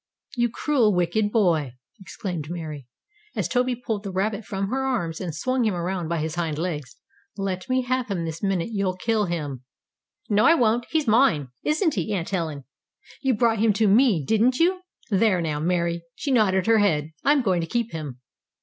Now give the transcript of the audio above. "You cruel, wicked boy!" exclaimed Mary, as Toby pulled the rabbit from her arms, and swung him around by his hind legs. "Let me have him this minute. You'll kill him!" "No, I won't! He's mine! Isn't he, Aunt Helen? You brought him to me, didn't you? There now, Mary, she nodded her head! I'm going to keep him."